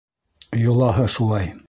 Йолаһы шулай.